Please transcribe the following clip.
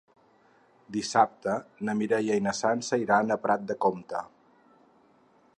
Dissabte na Mireia i na Sança iran a Prat de Comte.